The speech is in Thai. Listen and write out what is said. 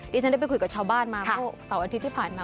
ที่ฉันได้ไปคุยกับชาวบ้านมาเมื่อเสาร์อาทิตย์ที่ผ่านมา